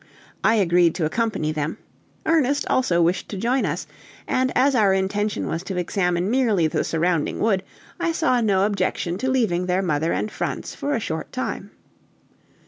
I agreed to accompany them; Ernest also wished to join us, and as our intention was to examine merely the surrounding wood, I saw no objection to leaving their mother and Franz for a short time.